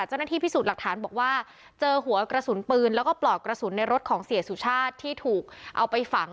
เจ้าหน้าที่พิสูจน์หลักฐานบอกว่าเจอหัวกระสุนปืนแล้วก็ปลอกกระสุนในรถของเสียสุชาติที่ถูกเอาไปฝัง